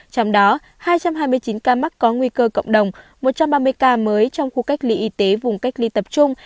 trong đó hai trăm hai mươi chín ca mắc có nguy cơ cộng đồng một trăm ba mươi ca mới trong khu cách ly y tế vùng cách ly tập trung